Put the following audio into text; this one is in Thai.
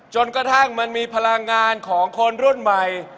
จนกระทั่งมันมีพลังงานของคนรุ่นใหม่